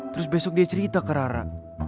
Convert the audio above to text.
terus besok dia cerita ke rara